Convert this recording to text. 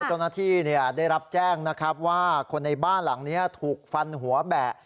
เจ้าหน้าที่ได้รับแจ้งนะครับว่าคนในบ้านหลังนี้ถูกฟันหัวแบะ